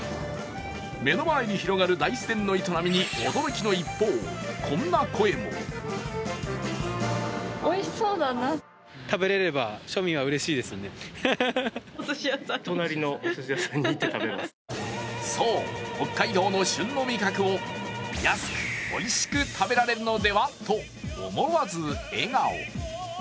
目の前に広がる大自然の営みに驚きの一方、こんな声もそう、北海道の旬の味覚を安くおいしく食べられるのではと思わず笑顔。